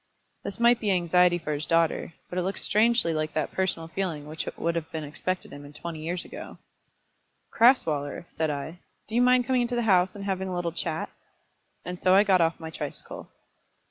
This might be anxiety for his daughter; but it looked strangely like that personal feeling which would have been expected in him twenty years ago. "Crasweller," said I, "do you mind coming into the house, and having a little chat?" and so I got off my tricycle.